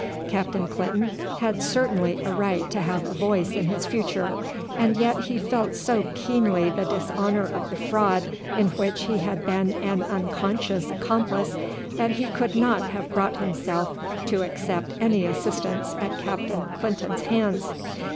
Captain Clinton had certainly a right to have a voice in his future, and yet he felt so keenly the dishonour of the fraud in which he had been an unconscious accomplice, that he could not have brought himself to accept any assistance at Captain Clinton's hands.